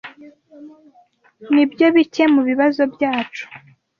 Nibyo bike mubibazo byacu.